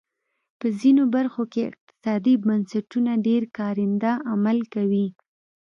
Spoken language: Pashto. په ځینو برخو کې اقتصادي بنسټونه ډېر کارنده عمل کوي.